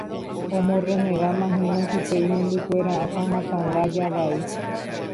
omorrenegámahina chupe imembykuéra akãhatã lája vai.